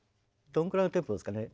どのくらいのテンポですかね。